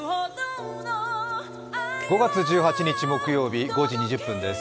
５月１８日木曜日、５時２０分です。